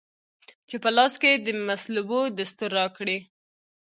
چي په لاس کې د مصلوبو دستور راکړی